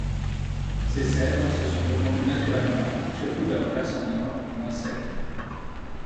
Ces cèdres se sont répandus naturellement, surtout vers le versant nord, moins sec.